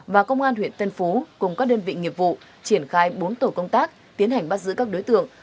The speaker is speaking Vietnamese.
và công an huyện tân phú cùng các đơn vị nghiệp vụ triển khai bốn tổ công tác tiến hành bắt giữ các đối tượng